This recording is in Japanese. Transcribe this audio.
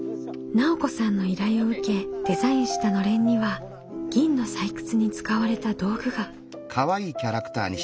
奈緒子さんの依頼を受けデザインした暖簾には銀の採掘に使われた道具が。